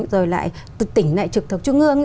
rồi lại từ tỉnh lại trực thập trung ương